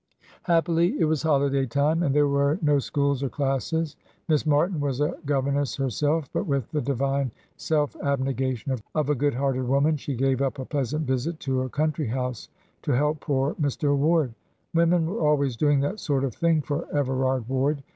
Happily it was holiday time, and there were no schools or classes; Miss Martin was a governess herself, but with the divine self abnegation of a good hearted woman she gave up a pleasant visit to a country house to help poor Mr. Ward women were always doing that sort of thing for Everard Ward.